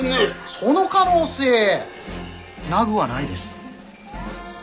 その可能性なぐはないです。